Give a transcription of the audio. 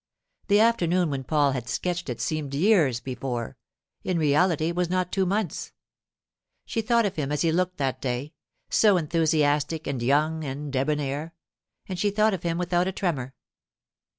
The afternoon when Paul had sketched it seemed years before; in reality it was not two months. She thought of him as he had looked that day—so enthusiastic and young and debonair—and she thought of him without a tremor.